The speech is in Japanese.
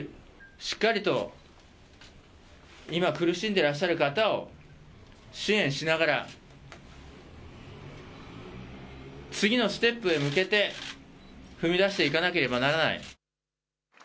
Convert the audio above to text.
しっかりと今苦しんでらっしゃる方を支援しながら次のステップへ向けて踏み出していかなければならない。